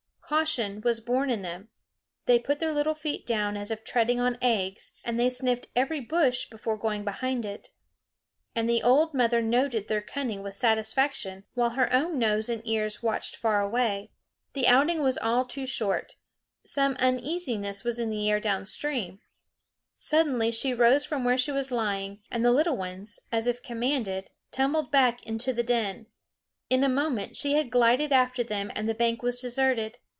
Caution was born in them; they put their little feet down as if treading on eggs, and they sniffed every bush before going behind it. And the old mother noted their cunning with satisfaction while her own nose and ears watched far away. The outing was all too short; some uneasiness was in the air down stream. Suddenly she rose from where she was lying, and the little ones, as if commanded, tumbled back into the den. In a moment she had glided after them, and the bank was deserted.